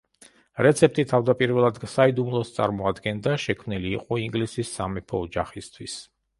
რეცეპტი თავდაპირველად საიდუმლოს წარმოადგენდა, შექმნილი იყო ინგლისის სამეფო ოჯახისთვის.